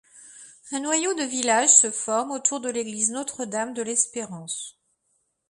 Un noyau de village se forme autour de l'église Notre-Dame de l'Espérance.